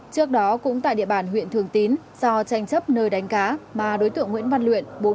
trước đó cũng tại địa bàn huyện thường tín do tranh chấp nơi đánh cá mà đối tượng nguyễn văn luyện